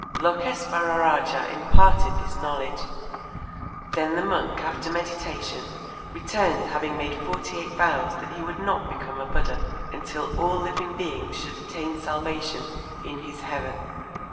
Lôkês'vararâja imparted this knowledge. Then the monk after meditation returned having made forty eight vows that he would not become a Buddha, until all living beings should attain salvation in his heaven.